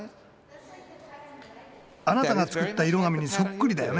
あなたが作った色紙にそっくりだよね。